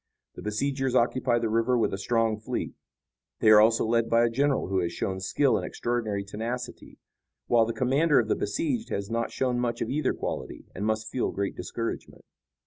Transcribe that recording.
The besiegers occupy the river with a strong fleet. They are also led by a general who has shown skill and extraordinary tenacity, while the commander of the besieged has not shown much of either quality and must feel great discouragement."